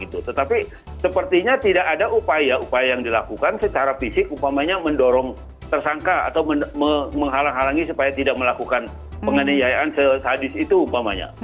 tetapi sepertinya tidak ada upaya yang dilakukan secara fisik upamanya mendorong tersangka atau menghalangi supaya tidak melakukan penganiayaan sadis itu upamanya